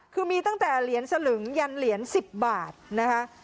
คือมีตั้งแต่เหรียญสลึงยันเหรียญ๑๐บาทนะคะ